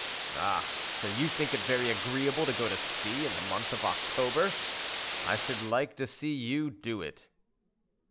"Ah! so you think it very agreeable to go to sea in the month of October? I should like to see you do it."